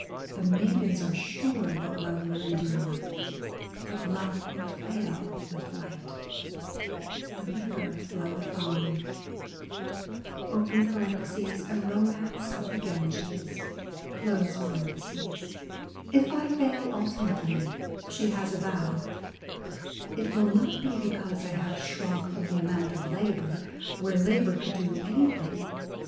The maidens are sure that love will endure, — But love will fail with light. The river floweth on. (i4 Romance of the Ganges,) A DAY WITH E. B. BROWNING "If I fail ultimately, she has avowed, .... it will not be because I have shrunk from the amount of labour rwhere labour could do anything.